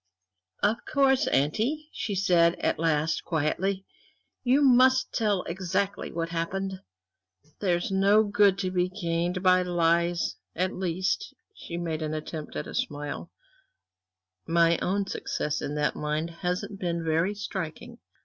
"Of course, auntie," she said at last, quietly, "you must tell exactly what happened. There's no good to be gained by lies; at least" she made an attempt at a smile "my own success in that line hasn't been very striking.